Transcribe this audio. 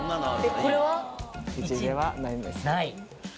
これは？ない。